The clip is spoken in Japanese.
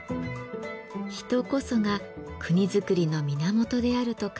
人こそが国づくりの源であると考えた信玄。